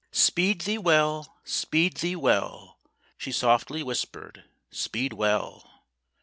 "Speed thee well! Speed well!" She softly whispered, "Speed well!